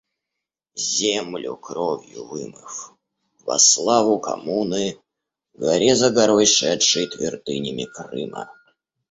Землю кровью вымыв, во славу коммуны, к горе за горой шедший твердынями Крыма.